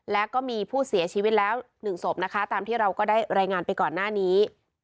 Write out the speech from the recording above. แล้วก็มีผู้เสียชีวิตแล้ว๑ศพนะคะตามที่เราก็ได้รายงานไปก่อนหน้านี้